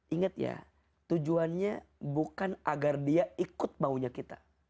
ingat ya tujuannya bukan agar dia ikut maunya kita